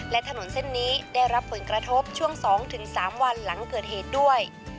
และถนนเส้นนี้ได้รับผลกระทบช่วง๒๓วันหลังเกิดเหตุด้วย